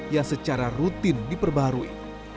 yang secara rutin diperbarui